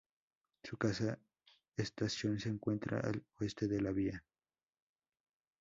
Su casa estación se encuentra al oeste de la vía.